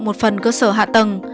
một phần cơ sở hạ tầng